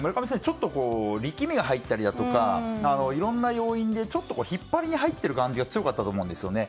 ちょっと力みが入ったりだとかいろんな要因で、ちょっと引っ張りに入っている感じが強かったと思うんですね。